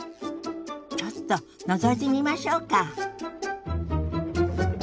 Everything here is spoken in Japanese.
ちょっとのぞいてみましょうか。